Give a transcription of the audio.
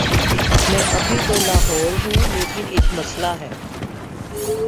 میں ابھی تو لاہور ہوں، لیکن ایک مسلہ ہے۔